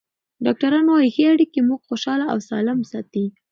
ډاکټران وايي ښه اړیکې موږ خوشحاله او سالم ساتي.